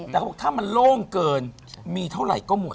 แต่เขาบอกถ้ามันโล่งเกินมีเท่าไหร่ก็หมด